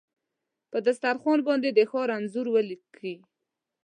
په دسترخوان باندې د ښار انځور ولیکې